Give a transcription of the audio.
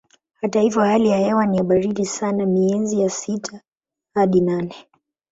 Hata hivyo hali ya hewa ni ya baridi sana miezi ya sita hadi nane.